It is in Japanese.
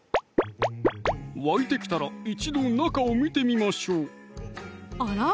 沸いてきたら一度中を見てみましょうあら？